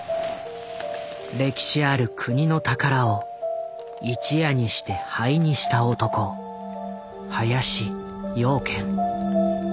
歴史ある国の宝を一夜にして灰にした男林養賢。